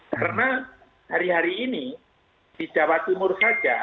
karena hari hari ini di jawa timur saja